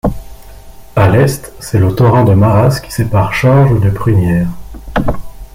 À l'est, c'est le torrent de Marasse qui sépare Chorges de Prunières.